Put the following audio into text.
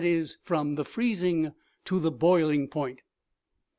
59 the freezing to the boiling point.